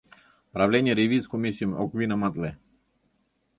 Правлений ревиз комиссийым ок винаматле.